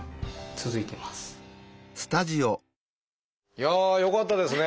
いやあよかったですね！